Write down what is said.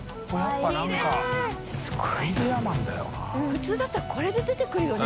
普通だったらこれで出てくるよね。